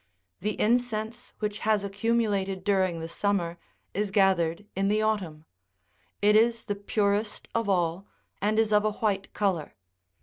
The incense which has accumulated during the summer is gathered in the autumn : it is the purest of all, and is of a white colour.